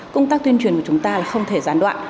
công tác tuyên truyền của chúng ta là không thể gián đoạn